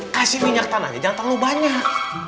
kasih minyak tanahnya jangan terlalu banyak